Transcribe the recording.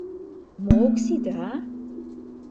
Мо ок сите, а?